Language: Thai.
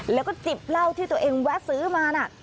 แล้วก็จิบเหล้าที่ตัวเองแวะซื้อมานะ